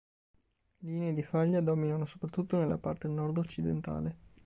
Linee di faglia dominano soprattutto nella parte nord-occidentale.